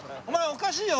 おかしいよ。